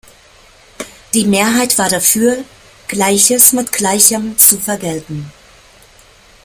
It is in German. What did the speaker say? Die Mehrheit war dafür, Gleiches mit Gleichem zu vergelten.